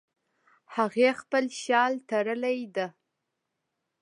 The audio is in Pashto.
هغې خپل شال تړلی ده